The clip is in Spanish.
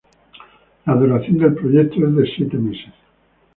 La duración del proyecto es de siete meses.